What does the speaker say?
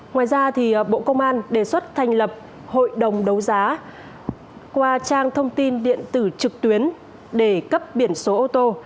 ngoài ra bộ công an đề xuất thành lập hội đồng đấu giá qua trang thông tin điện tử trực tuyến để cấp biển số ô tô